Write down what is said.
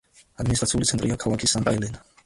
ადმინისტრაციული ცენტრია ქალაქი სანტა-ელენა.